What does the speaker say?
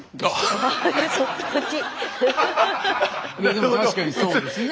でも確かにそうですね。